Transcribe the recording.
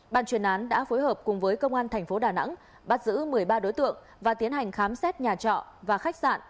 ban chuyên án đã phối hợp cùng với công an tp hcm bắt giữ một mươi ba đối tượng và tiến hành khám xét nhà trọ và khách sạn